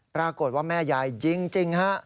ปรากฏว่าแม่ยายยิงจริงฮะ